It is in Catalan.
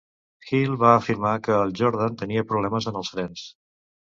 Hill va afirmar que el Jordan tenia problemes en els frens.